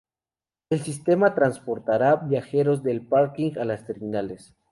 El sistema transportará viajeros del parking a las terminales.